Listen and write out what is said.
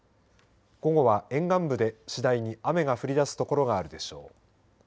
午後は沿岸部で次第に雨が降り出す所があるでしょう。